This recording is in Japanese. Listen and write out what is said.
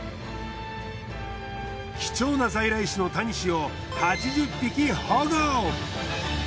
貴重な在来種のタニシを８０匹保護！